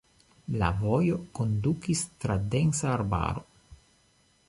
La vojo kondukis tra densa arbaro.